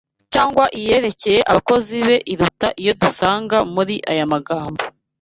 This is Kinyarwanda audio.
cyangwa iyerekeye abakozi be iruta iyo dusanga muri aya magambo